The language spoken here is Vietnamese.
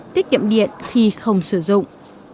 tiết kiệm điện khi không sử dụng